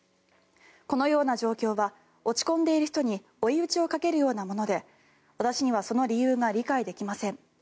このような状況は落ち込んでいる人に追い打ちをかけるようなもので私にはその理由が理解できません。